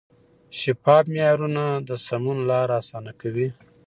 شفاف معیارونه د سمون لار اسانه کوي.